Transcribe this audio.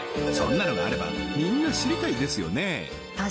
そんなのがあればみんな知りたいですよね？